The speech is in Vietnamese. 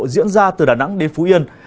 diễn ra từ đà nẵng đến phú yên